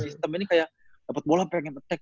sistem ini kayak dapat bola pengen attack